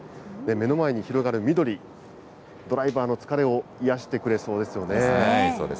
目の前に広がる緑、ドライバーの疲れを癒やしてくれそうですよね。